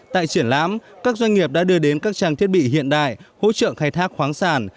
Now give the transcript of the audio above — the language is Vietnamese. tại triển lãm các doanh nghiệp đã đưa đến các trang thiết bị hiện đại hỗ trợ khai thác khoáng sản